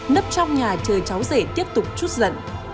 nấp trong nhà chơi cháu rể tiếp tục trút giận